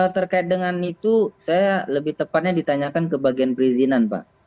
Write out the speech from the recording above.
terkait dengan itu saya lebih tepatnya ditanyakan ke bagian perizinan pak